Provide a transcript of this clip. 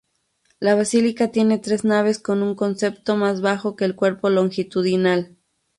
La basílica tiene tres naves con un transepto más bajo que el cuerpo longitudinal.